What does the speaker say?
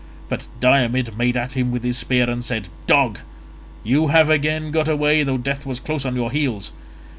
But Diomed made at him with his spear and said, "Dog, you have again got away though death was close on your heels.